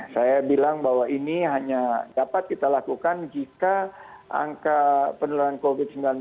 saya bilang bahwa ini hanya dapat kita lakukan jika angka penularan covid sembilan belas ini terus bisa kita penuhi